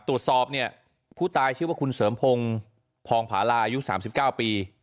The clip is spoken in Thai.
ตรวจสอบเนี่ยผู้ตายชื่อว่าคุณเสริมพงศ์พองผลายุคสามสิบเก้าปี